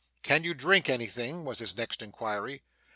'Can you drink anything?' was his next inquiry.